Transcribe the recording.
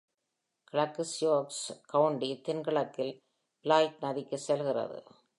கிழக்கு Sioux county தென்கிழக்கில் Floyd நதிக்கு செல்கிறது.